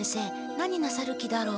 何なさる気だろう？